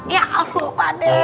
ya allah pade